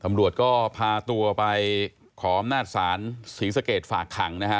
ธรรมดวก็พาตัวไปขอบนาฏศาลสิงศ์เกษฐ์ฝากขังนะฮะ